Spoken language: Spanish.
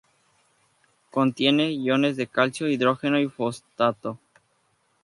Contiene iones de calcio, hidrógeno y fosfato.